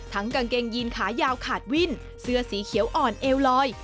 กางเกงยีนขายาวขาดวิ่นเสื้อสีเขียวอ่อนเอวลอย